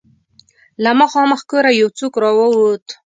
له مخامخ کوره يو څوک را ووت.